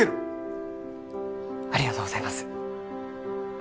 ありがとうございます。